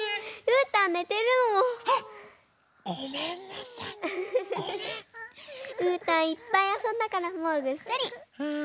うーたんいっぱいあそんだからもうぐっすり。